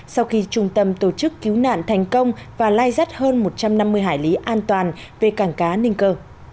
sau khi trung tâm tổ chức cứu nạn thành công và lai rắt hơn một trăm năm mươi hải lý an toàn về cảng cá ninh cơ